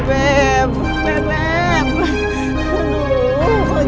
kau kepuk jangan duane